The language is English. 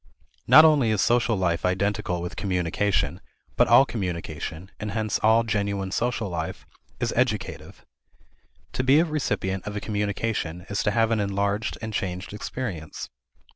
Not only is social life identical with communication, but all communication (and hence all genuine social life) is educative. To be a recipient of a communication is to have an enlarged and changed experience.